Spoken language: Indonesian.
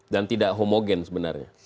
dan tidak homogen sebenarnya